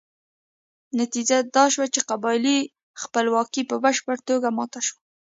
نتیجه دا شوه چې قبایلي خپلواکي په بشپړه توګه ماته شوه.